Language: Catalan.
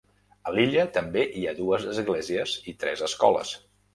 A l'illa també hi ha dues esglésies i tres escoles.